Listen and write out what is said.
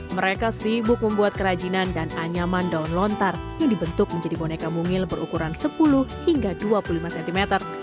mereka sibuk membuat kerajinan dan anyaman daun lontar yang dibentuk menjadi boneka mungil berukuran sepuluh hingga dua puluh lima cm